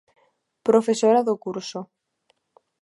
Profesora do curso.